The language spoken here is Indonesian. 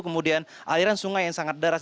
kemudian aliran sungai yang sangat deras